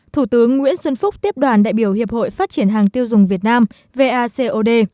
thủ tướng nguyễn xuân phúc tiếp đoàn đại biểu hiệp hội phát triển hàng tiêu dùng việt nam vacod